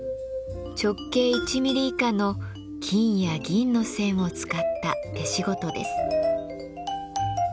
直径１ミリ以下の金や銀の線を使った手仕事です。